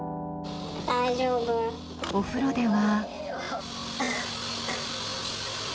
お風呂では。